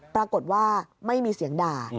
ปรากฏว่าไม่มีเสียงด่า